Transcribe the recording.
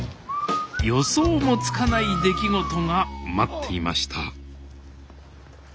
予想もつかない出来事が待っていました